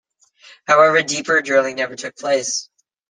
However, deeper drilling never took place.